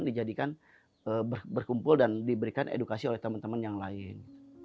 dijadikan berkumpul dan diberikan edukasi oleh teman teman yang lain